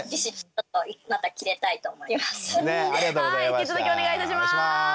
引き続きお願いいたします。